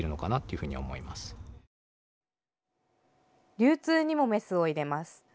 流通にもメスを入れます。